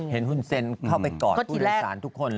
เห็นฮุ่นเซนเข้าไปกอดผู้โดยสารทุกคนเลย